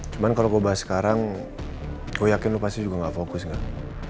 cuman kalau gue bahas sekarang gue yakin lo pasti juga gak fokus kan